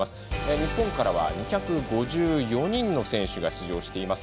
日本からは２５４人の選手が出場しています。